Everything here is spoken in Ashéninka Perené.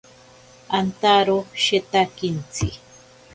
Antaro shetakintsi.